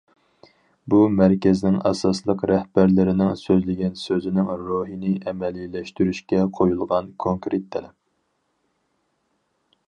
بۇ مەركەزنىڭ ئاساسلىق رەھبەرلىرىنىڭ سۆزلىگەن سۆزىنىڭ روھىنى ئەمەلىيلەشتۈرۈشكە قويۇلغان كونكرېت تەلەپ.